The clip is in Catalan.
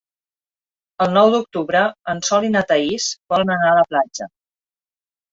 El nou d'octubre en Sol i na Thaís volen anar a la platja.